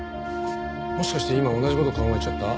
もしかして今同じ事考えちゃった？